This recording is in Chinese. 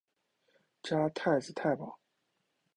加太子太保。